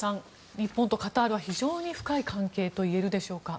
日本とカタールは非常に深い関係といえるでしょうか？